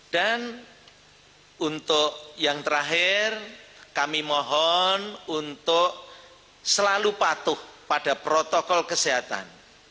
dan untuk yang terakhir kami mohon untuk selalu patuh pada protokol kesehatan